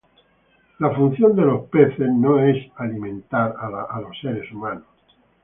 Los peces sirven básicamente para alimentarse.